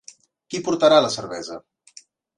Qui portarà la cervesa?